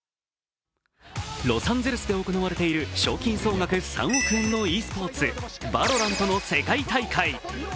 ロサンゼルスで行われている賞金総額３億円のｅスポーツ、ＶＡＬＯＲＡＮＴの世界大会。